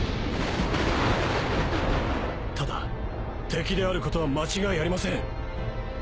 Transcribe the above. ただ敵であることは間違いありません。